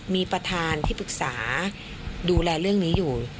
มีประธานที่ปรึกษาดูแลเรื่องนี้อยู่